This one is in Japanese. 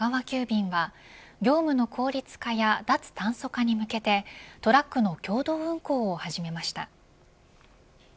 急便は業務の効率化や脱炭素化に向けてトラックの共同運行を始めました。